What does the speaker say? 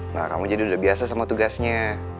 nah kamu jadi udah biasa sama tugasnya